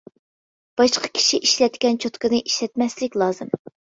باشقا كىشى ئىشلەتكەن چوتكىنى ئىشلەتمەسلىك لازىم.